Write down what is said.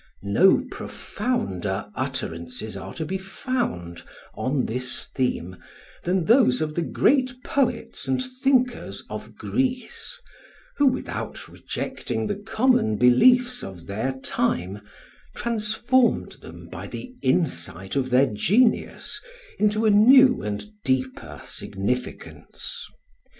No profounder utterances are to be found on this theme than those of the great poets and thinkers of Greece, who, without rejecting the common beliefs of their time, transformed them by the insight of their genius into a new and deeper significance.